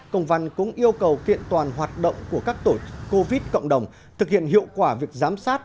công văn cũng yêu cầu kiện toàn hoạt động của các tổ chức covid cộng đồng thực hiện hiệu quả việc giám sát